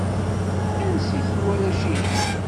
Ansi-ten warrac-ihin?